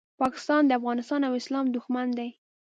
پاکستان د افغانستان او اسلام دوښمن دی